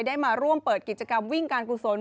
ได้มาร่วมเปิดกิจกรรมวิ่งการกุศล